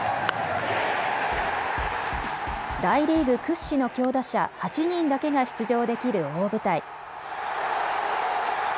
大リーグ屈指の強打者８人だけが出場できる大舞台。